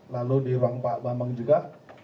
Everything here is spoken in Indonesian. lalu di ruang pak bambang juga